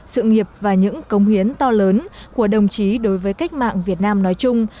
sự nghiệp và những công hiến to lớn của đồng chí đối với cách mạng việt nam nói chung